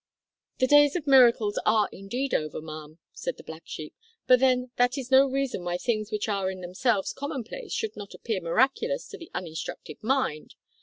"The days of miracles are indeed over, ma'am," said the black sheep, "but then that is no reason why things which are in themselves commonplace should not appear miraculous to the uninstructed mind.